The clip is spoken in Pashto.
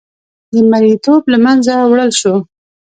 د مریې توب له منځه وړل وشو.